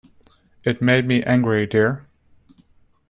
It made me angry, dear.